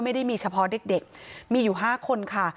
ไม่ได้มีเฉพาะเด็กมีอยู่๕คนค่ะ